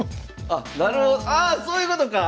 なるほどああそういうことか！